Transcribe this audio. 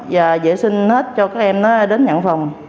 và dễ sinh hết cho các em đến nhận phòng